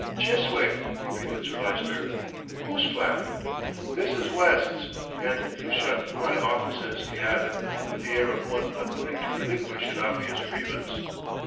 "Chiswick!" repeated Sir Lyster. "Whose flat?" "Mrs. West's, and you've shut my offices," he added, with the air of one unwilling to relinquish an obvious grievance.